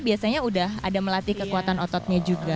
biasanya udah ada melatih kekuatan ototnya juga